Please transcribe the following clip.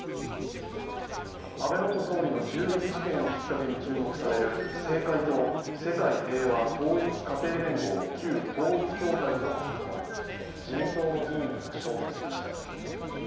安倍元総理の銃撃事件をきっかけに注目される政界と世界平和統一家庭連合旧統一教会との関わり、自民党の議員が証言しました。